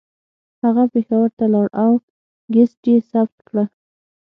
هغه پېښور ته لاړ او کیسټ یې ثبت کړه